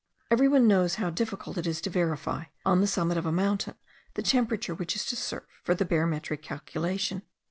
Every one knows how difficult it is to verify, on the summit of a mountain, the temperature, which is to serve for the barometric calculation.